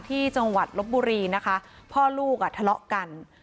ที่จังหวัดลบบุรีนะคะพ่อลูกอ่ะทะเลาะกัน